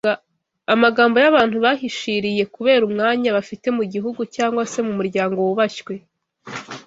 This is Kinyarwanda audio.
amagambo y’abantu bahishiriye kubera umwanya bafite mu gihugu cyangwa se mu muryango wubashywe